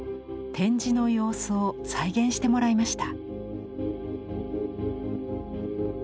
展示の様子を再現してもらいました。